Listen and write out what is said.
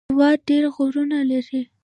هېواد ډېر غرونه لري